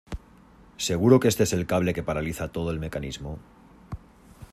¿ seguro que este es el cable que paraliza todo el mecanismo?